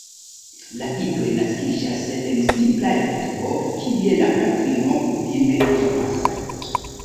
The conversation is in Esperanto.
La idoj naskiĝas en simpla lito, kie la patrino kutime dormas.